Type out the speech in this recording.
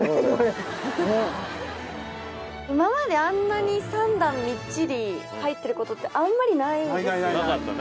今まであんなに３段みっちり入ってることってあんまりないですよね。